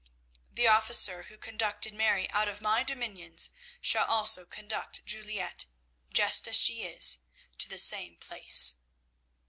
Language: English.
The officer who conducted Mary out of my dominions shall also conduct Juliette, just as she is, to the same place.'